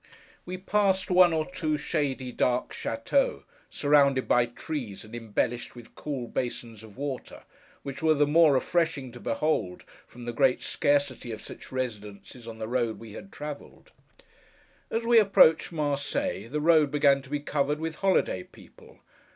We passed one or two shady dark châteaux, surrounded by trees, and embellished with cool basins of water: which were the more refreshing to behold, from the great scarcity of such residences on the road we had travelled. As we approached Marseilles, the road began to be covered with holiday people.